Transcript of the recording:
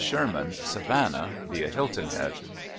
SHERMAN, Savannah (via Hilton Head).